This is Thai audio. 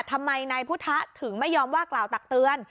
ทำไมนายพุทธะถึงไม่ยอมว่ากล่าวตักเตือน